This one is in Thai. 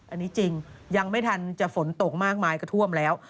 อันนี้จริงยังไม่ทันจะฝนตกมากมายก็ท่วมแล้ว